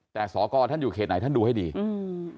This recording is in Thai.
แต่ศอกอต์ถ้านอยู่เขตอะไรโดรเจอทุกเพศจริง